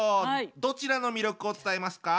どちらの魅力を伝えますか？